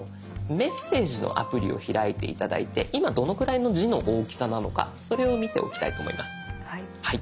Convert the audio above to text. メッセージのアプリを開いて頂いて今どのくらいの字の大きさなのかそれを見ておきたいと思います。